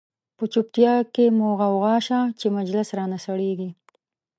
په چوپتیا کی مو غوغا شه، چه مجلس را نه سړیږی